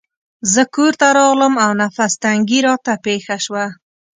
زه کورته راغلم او نفس تنګي راته پېښه شوه.